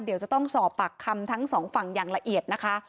เดี๋ยวจะต้องสอบปากคำทั้งสองฝั่งอย่างละเอียดนะคะ